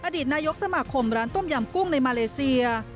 อดีตนายกสมาคมร้านต้มยำกุ้งในมาเลเซีย